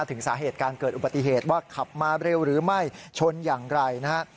ถึงสาเหตุการเกิดอุบัติเหตุว่าขับมาเร็วหรือไม่ชนอย่างไรนะฮะ